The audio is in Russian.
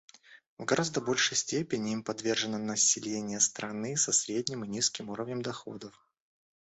В гораздо большей степени им подвержено население стран со средним и низким уровнем доходов.